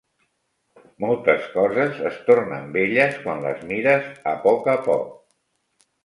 Moltes coses es tornen belles quan les mires a poc a poc.